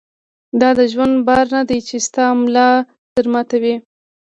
دا د ژوند بار نه دی چې ستا ملا در ماتوي.